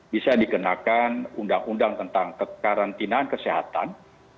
bisa dikenakan undang undang tentang kekarantinaan kesehatan